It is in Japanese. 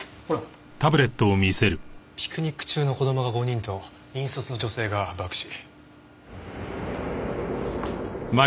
「ピクニック中の子供が５人と引率の女性が爆死」。